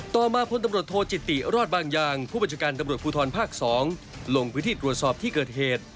ต่อมาพลตำรวจโทจิติรอดบางอย่างผู้บัญชาการตำรวจภูทรภาค๒ลงพื้นที่ตรวจสอบที่เกิดเหตุ